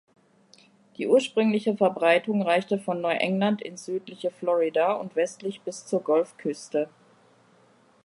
Die ursprüngliche Verbreitung reichte von Neuengland ins südliche Florida und westlich bis zur Golfküste.